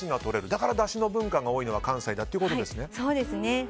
だから、だしの文化が多いのが関西だということですね。